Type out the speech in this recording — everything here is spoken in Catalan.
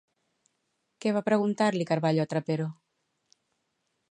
Què va preguntar-li Carballo a Trapero?